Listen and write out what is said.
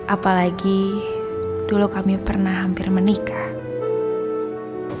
apalagi dulu kami pernah hampir menikah